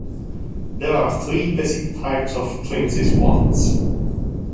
There are three basic types of prince's wands.